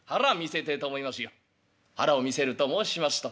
「腹を見せると申しますと？」。